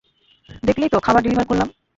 দেখলেই তো, খাবার ডেলিভার করলাম।